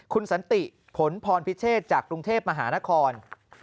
คุณสันติผลพรพิเชษจากกรุงเทพมหานคร